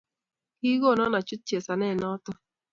Kiikona achut chesanet noto.